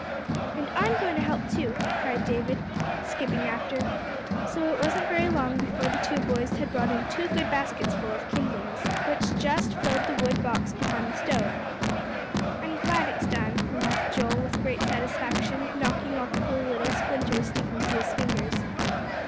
"And I'm going to help, too," cried David, skipping after. So it wasn't very long before the two boys had brought in two good basketsful of kindlings, which just filled the wood box behind the stove. "I'm glad it's done," remarked Joel, with great satisfaction, knocking off the little splinters sticking to his fingers.